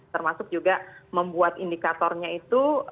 termasuk juga membuat indikatornya itu